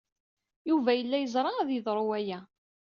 Yuba yella yeẓra ad yeḍru waya.